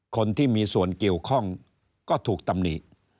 คนที่มีส่วนเกี่ยวข้องก็ถูกตำหนิ